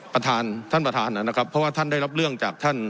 ท่านประธานท่านประธานนะครับเพราะว่าท่านได้รับเรื่องจากท่าน